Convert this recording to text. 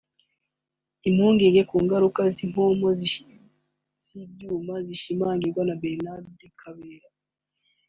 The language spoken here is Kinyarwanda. Impungenge ku ngaruka z’impombo z’ibyuma zishimangirwa na Bernard Kabera